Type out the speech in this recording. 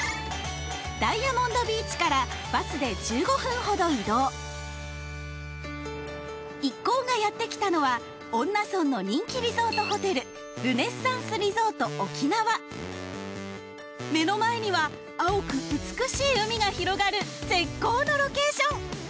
ダイヤモンドビーチからバスで１５分ほど移動一行がやって来たのは恩納村の人気リゾートホテルルネッサンスリゾートオキナワ目の前には青く美しい海が広がる絶好のロケーション！